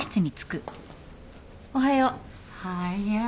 おはよう。